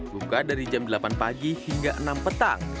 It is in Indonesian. buka dari jam delapan pagi hingga enam petang